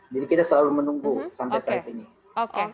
jadi kita selalu menunggu sampai saat ini